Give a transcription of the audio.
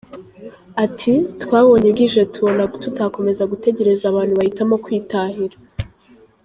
Ati “Twabonye bwije tubona tutakomeza gutegereza abantu bahitamo kwitahira.â€?